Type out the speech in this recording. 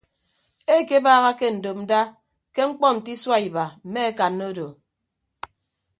Ekebaaha ke ndopnda ke ñkpọ nte isua iba mme akanna odo.